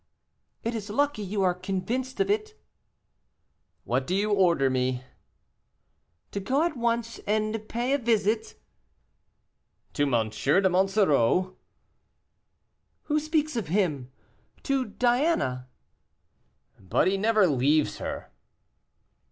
"It is lucky you are convinced of it." "What do you order me?" "To go at once and pay it visit " "To M. de Monsoreau?" "Who speaks of him? to Diana." "But he never leaves her."